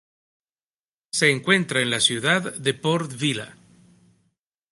Se encuentra en la ciudad de Port Vila.